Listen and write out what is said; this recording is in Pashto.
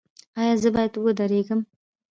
ایا زه باید ودریږم؟